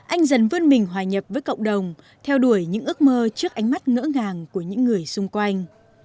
anh dần vươn mình hòa nhập với cộng đồng theo đuổi những ước mơ trước ánh mắt ngỡ ngàng của những người xung quanh